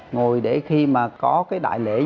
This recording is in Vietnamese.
ngồi để khi mà có cái đại lễ